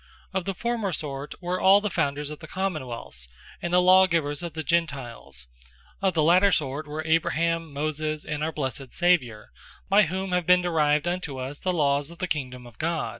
Of the former sort, were all the Founders of Common wealths, and the Law givers of the Gentiles: Of the later sort, were Abraham, Moses, and our Blessed Saviour; by whom have been derived unto us the Lawes of the Kingdome of God.